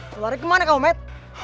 lu lari kemana kamu met